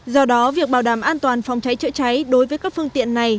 do đó việc bảo đảm an toàn phòng cháy chữa cháy đối với các phương tiện này